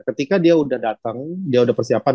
ketika dia udah datang dia udah persiapan